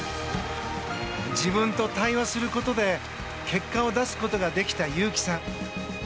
自分と対話することで結果を出すことができた有紀さん。